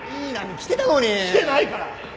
きてないから！